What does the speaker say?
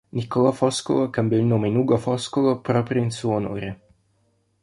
Niccolò Foscolo cambiò il nome in Ugo Foscolo proprio in suo onore.